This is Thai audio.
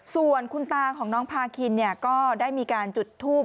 ส่วนคุณตาของน้องพาคินก็ได้มีการจุดทูบ